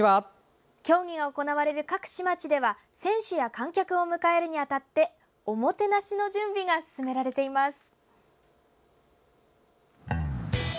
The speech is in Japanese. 競技が行われる各市町では選手や観客を迎えるにあたっておもてなしの準備が進められています。